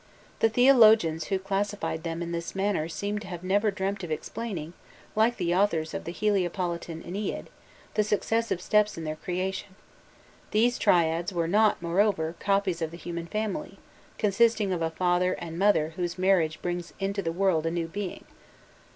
The theologians who classified them in this manner seem never to have dreamt of explaining, like the authors of the Heliopolitan Ennead, the successive steps in their creation: these triads were not, moreover, copies of the human family, consisting of a father and mother whose marriage brings into the world a new being.